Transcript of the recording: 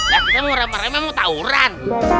ya kamu remeh meremih mau tawuran